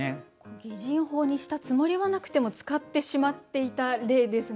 擬人法にしたつもりはなくても使ってしまっていた例ですね。